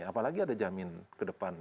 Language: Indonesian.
apalagi ada jaminan ke depan